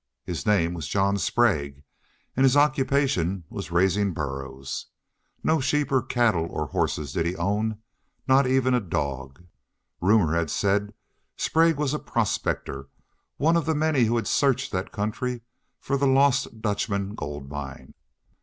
His name was John Sprague and his occupation was raising burros. No sheep or cattle or horses did he own, not even a dog. Rumor had said Sprague was a prospector, one of the many who had searched that country for the Lost Dutchman gold mine.